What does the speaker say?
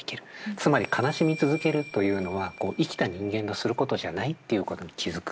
つまり悲しみ続けるというのは生きた人間のすることじゃないっていうことに気付く。